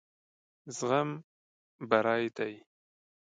زغم بري دی.